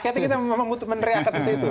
akhirnya kita memang meneriakan seperti itu